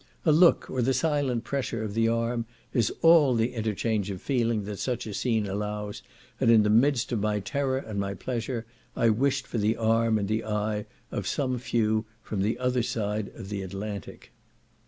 A look, or the silent pressure of the arm, is all the interchange of feeling that such a scene allows, and in the midst of my terror and my pleasure, I wished for the arm and the eye of some few from the other side of the Atlantic.